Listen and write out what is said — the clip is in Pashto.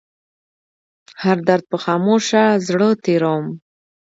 هر درد په خاموشه زړه تيروم